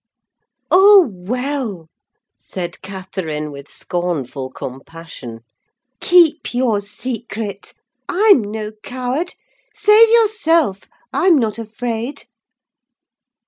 "Oh, well!" said Catherine, with scornful compassion, "keep your secret: I'm no coward. Save yourself: I'm not afraid!"